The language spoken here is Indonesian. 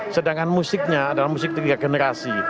sedangkan musiknya adalah musik tiga generasi